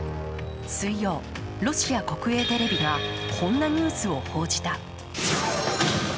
水曜、ロシア国営テレビがこんなニュースを報じた。